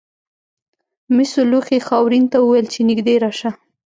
مسو لوښي خاورین ته وویل چې نږدې راشه.